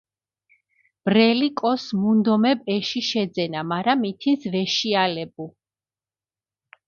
ბრელი კოს მუნდომებ, ეში შეძენა, მარა მითინს ვეშიალებუ.